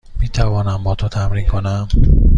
می توانم با تو تمرین کنم؟